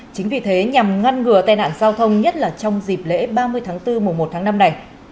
chính vì thế nhằm ngăn ngừa tai nạn giao thông nhất là trong dịp lễ ba mươi tháng bốn mùa một tháng năm này